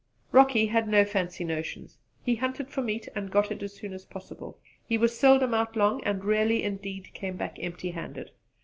Rocky had no fancy notions: he hunted for meat and got it as soon as possible; he was seldom out long, and rarely indeed came back empty handed.